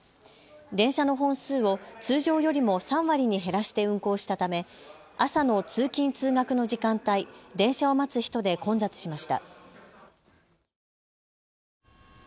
電車の本数を通常よりも３割に減らして運行したため朝の通勤・通学の時間帯、電車を待つ人で混雑しました。